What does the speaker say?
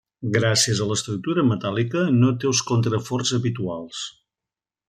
Gràcies a l'estructura metàl·lica, no té els contraforts habituals.